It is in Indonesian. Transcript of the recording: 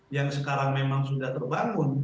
yang sekarang memang sudah terbangun